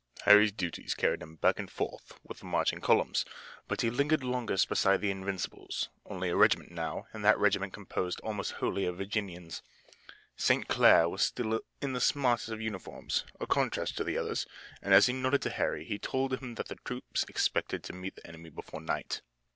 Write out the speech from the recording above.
Harry's duties carried him back and forth with the marching columns, but he lingered longest beside the Invincibles, only a regiment now, and that regiment composed almost wholly of Virginians. St. Clair was still in the smartest of uniforms, a contrast to the others, and as he nodded to Harry he told him that the troops expected to meet the enemy before night.